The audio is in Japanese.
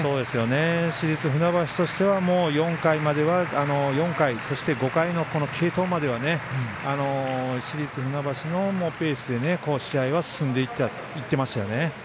市立船橋としては４回、そして５回の継投までは市立船橋のペースで試合が進んでいましたよね。